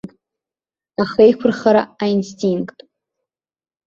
Ахеиқәырхара аинстинкт.